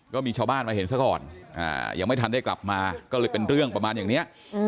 ก็มีชาวบ้านมาเห็นซะก่อนยังไม่ทันได้กลับมาก็เลยเป็นเรื่องประมาณอย่างนี้